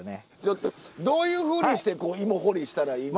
どういうふうにしていも掘りしたらいいんですか？